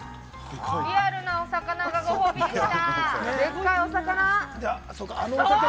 リアルなお魚がご褒美でした。